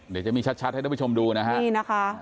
เดี๋ยวมีชัดให้เจ้าผู้ชมดูนะคะ